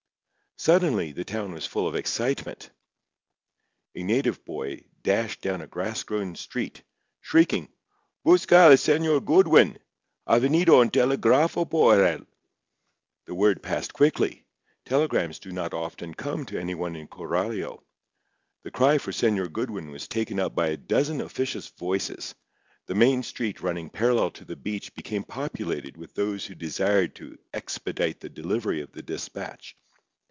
Suddenly the town was full of excitement. A native boy dashed down a grass grown street, shrieking: "Busca el Señor Goodwin. Ha venido un telégrafo por el!" The word passed quickly. Telegrams do not often come to anyone in Coralio. The cry for Señor Goodwin was taken up by a dozen officious voices. The main street running parallel to the beach became populated with those who desired to expedite the delivery of the despatch.